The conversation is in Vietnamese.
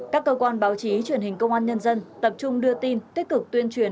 các cơ quan báo chí truyền hình công an nhân dân tập trung đưa tin tích cực tuyên truyền